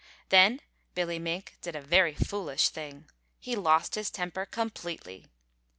Then Billy Mink did a very foolish thing; he lost his temper completely.